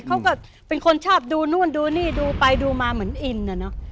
เขาก็เป็นคนชอบดูนู่นดูนี่ดูไปดูมาเหมือนอินน่ะเนอะ